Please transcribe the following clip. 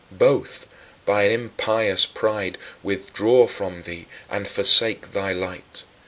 Both, by an impious pride, withdraw from thee and forsake thy light.